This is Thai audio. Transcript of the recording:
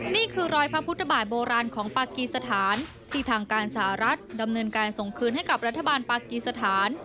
นี่คือรอยพระพุทธบาทโบราณของปากีสถานที่ทางการสหรัฐดำเนินการส่งคืนให้กับรัฐบาลปากีสถาน